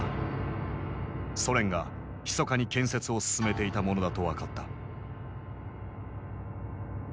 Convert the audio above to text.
ソ連がひそかに建設を進めていたものだと分かった。